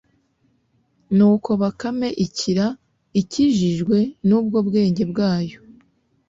nuko bakame ikira, ikijijwe n'ubwo bwenge bwayo